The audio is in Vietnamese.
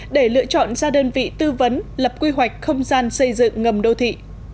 để lựa chọn ra đơn vị tư vấn lập quy hoạch không gian xây dựng ngầm đô thị